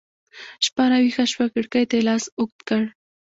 شپه راویښه شوه کړکۍ ته يې لاس اوږد کړ